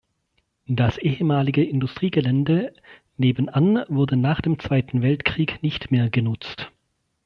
Das ehemalige Industriegelände nebenan wurde nach dem Zweiten Weltkrieg nicht mehr genutzt.